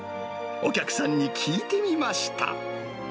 お客さんに聞いてみました。